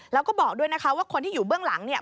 แล้วก็บอกด้วยนะคะว่าคนที่อยู่เบื้องหลังเนี่ย